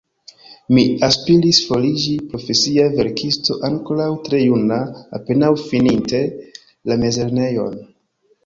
Mi aspiris fariĝi profesia verkisto ankoraŭ tre juna, apenaŭ fininte la mezlernejon.